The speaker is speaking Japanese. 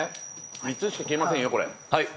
３つしか消えませんよ